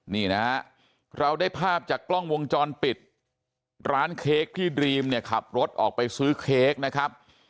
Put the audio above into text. นี่นะฮะเราได้ภาพจากกล้องวงจรปิดร้านเค้กที่ดรีมเนี่ยขับรถออกไปซื้อเค้กนะครับ